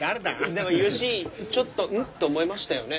でもユーシーちょっと「ん？」と思いましたよね。